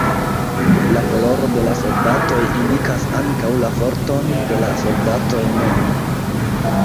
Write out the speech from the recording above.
La koloro de la soldatoj indikas ankaŭ la forton de la soldatoj mem.